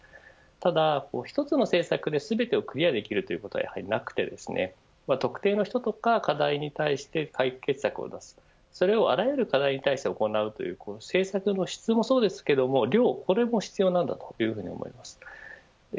ただ１つの政策で全てをクリアできるということは、やはりなくて特定の人とか課題に対して解決策を出す、それをあらゆる課題に対して行うという、この政策の質もそうですが量、これも必要なんだというふうに思います。